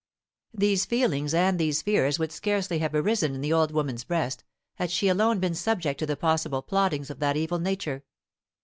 These feelings and these fears would scarcely have arisen in the old woman's breast, had she alone been subject to the possible plottings of that evil nature.